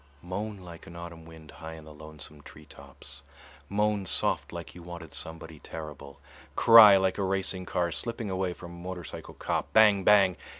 Moan like an autumn wind high in the lonesome tree tops, moan soft like you wanted somebody terrible, cry like a racing car slipping away from a motorcycle cop, bang bang!